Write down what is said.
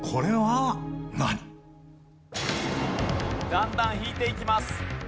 だんだん引いていきます。